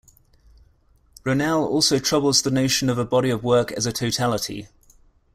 Ronell also troubles the notion of a body of work as a totality.